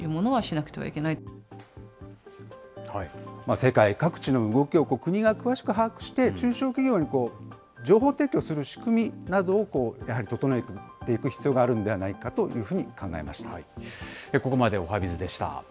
世界各地の動きを国が詳しく把握して、中小企業に情報提供する仕組みなどをやはり整えていく必要があるんではないかというふうに考えました。